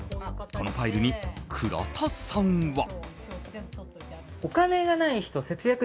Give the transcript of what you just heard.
このファイルに倉田さんは。